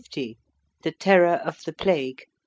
THE TERROR OF THE PLAGUE.